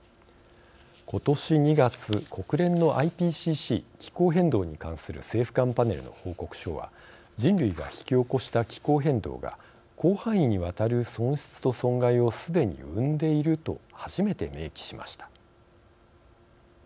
今年２月、国連のＩＰＣＣ＝気候変動に関する政府間パネルの報告書は人類が引き起こした気候変動が広範囲にわたる損失と損害をすでに生んでいると初めて明記しました。